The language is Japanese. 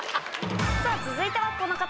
さぁ続いてはこの方。